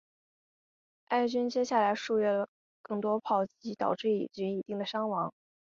埃军接下来数月的更多炮击导致以军一定的伤亡。